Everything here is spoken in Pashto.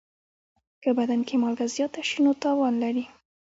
که بدن کې مالګه زیاته شي، نو تاوان لري.